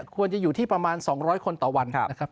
ควรจะอยู่ที่ประมาณ๒๐๐คนต่อวันนะครับ